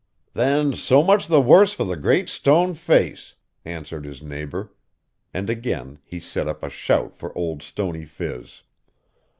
'Then so much the worse for the Great Stone Face!' answered his neighbor; and again he set up a shout for Old Stony Phiz.